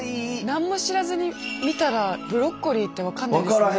何も知らずに見たらブロッコリーって分かんないですね。